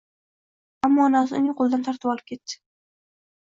Ammo onasi uning qoʻlidan tortib olib ketdi